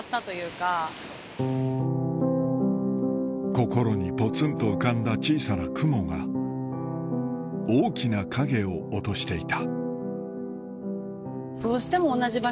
心にポツンと浮かんだ小さな雲が大きな影を落としていた